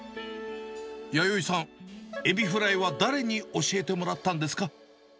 やよいさん、エビフライは誰に教えてもらったんですか？